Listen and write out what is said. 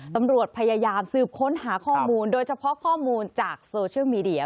ตำรวจพยายามสืบค้นหาข้อมูลโดยเฉพาะข้อมูลจากโซเชียลมีเดีย